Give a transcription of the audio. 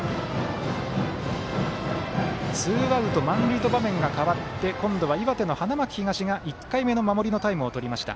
ツーアウト、満塁と場面が変わって今度は岩手の花巻東が１回目の守りのタイムをとりました。